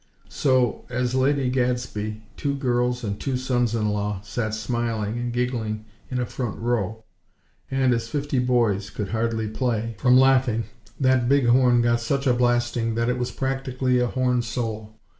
So, as Lady Gadsby, two girls, and two sons in law sat smiling and giggling in a front row, and as fifty boys could hardly play, from laughing, that big horn got such a blasting that it was practically a horn solo!